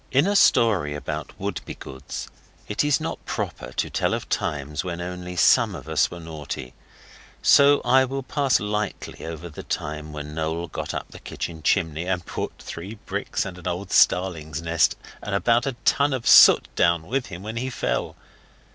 In a story about Wouldbegoods it is not proper to tell of times when only some of us were naughty, so I will pass lightly over the time when Noel got up the kitchen chimney and brought three bricks and an old starling's nest and about a ton of soot down with him when he fell.